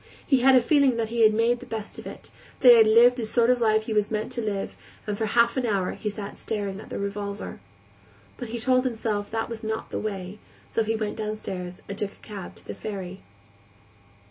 He had a feeling that he had made the best of it, that he had lived the sort of life he was meant to live, and for half an hour he sat staring at the revolver. But he told himself that was not the way, so he went downstairs and took a cab to the ferry.